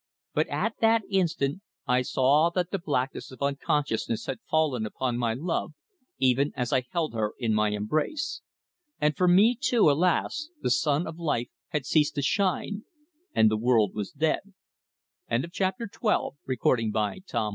But at that instant I saw that the blackness of unconsciousness had fallen upon my love even as I held her in my embrace. And for me, too, alas! the sun of life had ceased to shine, and the world was dead. CHAPTER XIII. THE FUGITIVE'S SECRET.